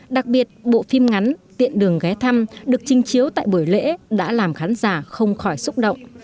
đặc biệt bộ phim ngắn tiện đường ghé thăm được trình chiếu tại buổi lễ đã làm khán giả không khỏi xúc động